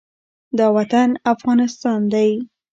دا وطن افغانستان دی،